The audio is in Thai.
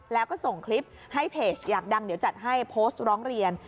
แล้วก็ส่งคลิปให้เพจอยากดังเดี๋ยวจัดให้โพสต์ร้องเรียน